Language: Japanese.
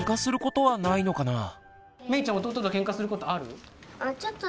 めいちゃん弟とケンカすることある？